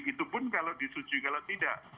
itu pun kalau disetujui kalau tidak